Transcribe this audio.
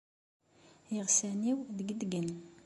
Iɣsan-iw ddegdgen.